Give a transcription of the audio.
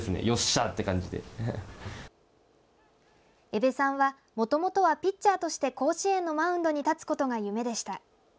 江部さんはもともとはピッチャーとして甲子園のマウンドに立つことが夢でした。